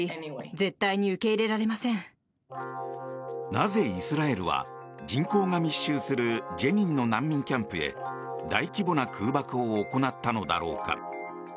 なぜ、イスラエルは人口が密集するジェニンの難民キャンプへ大規模な空爆を行ったのだろうか。